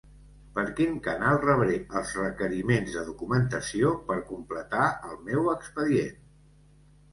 Per quin canal rebré els requeriments de documentació per completar el meu expedient?